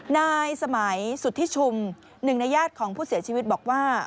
ในสมัยสุทธิชมหนึ่งนโยชน์ของผู้เสียชีวิตบอกว่า